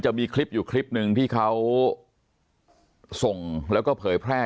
จะมีคลิปอยู่คลิปหนึ่งที่เขาส่งแล้วก็เผยแพร่